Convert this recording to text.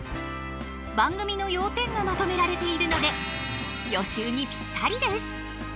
番組の要点がまとめられているので予習にぴったりです！